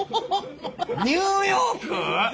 ニューヨーク！？